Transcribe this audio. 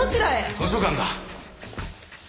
図書館だ。